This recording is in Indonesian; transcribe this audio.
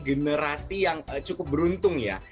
generasi yang cukup beruntung ya